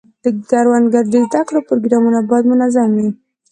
د کروندګرو د زده کړو پروګرامونه باید منظم وي.